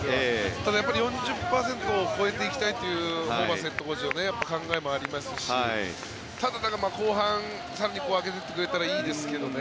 ただ４０％を超えていきたいというホーバスヘッドコーチの考えもありますしただ、後半更に上げていってくれたらいいですけどね。